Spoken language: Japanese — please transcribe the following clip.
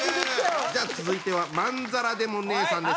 じゃあ続いてはまんざらでもねぇさんです。